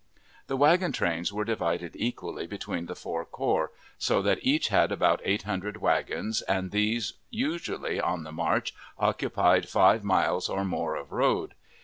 The wagon trains were divided equally between the four corps, so that each had about eight hundred wagons, and these usually on the march occupied five miles or more of road.